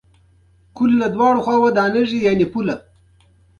ازادي راډیو د سوله په اړه د نړیوالو رسنیو راپورونه شریک کړي.